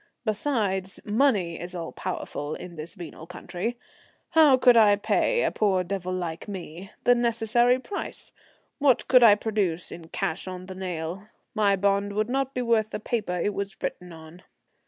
Besides money is all powerful in this venal country how could I pay, a poor devil like me, the necessary price? what could I produce in cash on the nail? My bond would not be worth the paper it was written on.